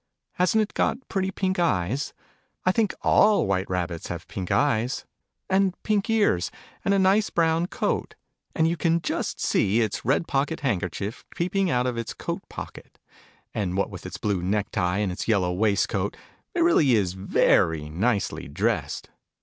Hasn't it got pretty pink eyes ( I think all White Rabbits have pink eyes ); and pink ears ; and a nice brown coat ; and you can just see its red pocket handkerchief peeping out of its coat pocket : and, what with its blue neek tie and its yellow waistcoat, it really is very nicely dressed.